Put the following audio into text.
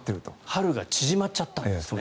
春が縮まっちゃったんですね。